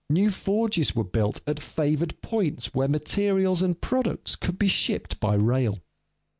New forges were built at favored points where materials and products could be shipped by rail.